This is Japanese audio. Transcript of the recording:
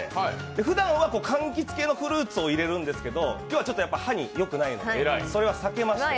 ふだんは柑橘系のフルーツを入れるんですけど今日は歯によくないので、それは避けました。